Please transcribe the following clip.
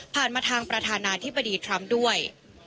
มาทางประธานาธิบดีทรัมป์ด้วย